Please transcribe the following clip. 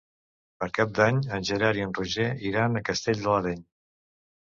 Per Cap d'Any en Gerard i en Roger iran a Castell de l'Areny.